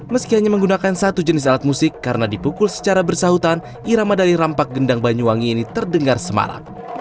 meski hanya menggunakan satu jenis alat musik karena dipukul secara bersahutan irama dari rampak gendang banyuwangi ini terdengar semarak